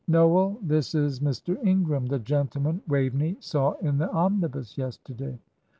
"Noel, this is Mr. Ingram, the gentleman Waveney saw in the omnibus yesterday."